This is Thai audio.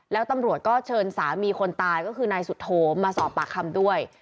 แล้วตำรวจก็เชิญสามีคนตายก็คือนายสุโธมาสอบปากคำด้วย